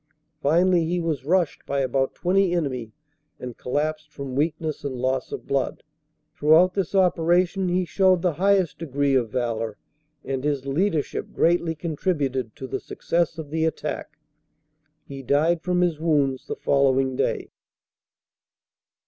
Finally he was rushed by about 20 enemy and collapsed from weakness and loss of blood. Throughout this operation he showed the highest degree of valor and his leadership greatly contributed to the success of the attack. He died from his wounds the following day.